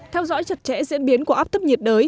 theo dõi chặt chẽ diễn biến của áp thấp nhiệt đới